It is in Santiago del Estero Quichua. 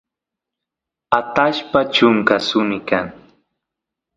atashpa chunka suni kan